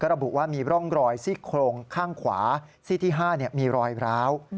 ระบุว่ามีร่องรอยซี่โครงข้างขวาซี่ที่๕มีรอยร้าว